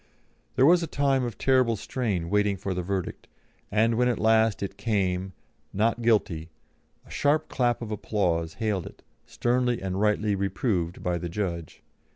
There was a time of terrible strain waiting for the verdict, and when at last it came, "Not Guilty," a sharp clap of applause hailed it, sternly and rightly reproved by the judge.